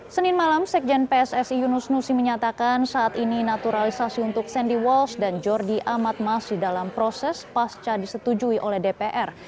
senin malam sekjen pssi yunus nusi menyatakan saat ini naturalisasi untuk sandy walsh dan jordi amat masih dalam proses pasca disetujui oleh dpr